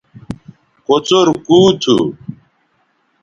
کوڅر کُو تھو